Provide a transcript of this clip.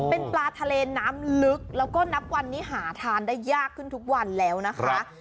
เป็นปลาทะเลน้ำลึกแล้วก็นับวันนี้หาทานได้ยากขึ้นทุกวันแล้วนะคะ